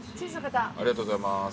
ありがとうございます。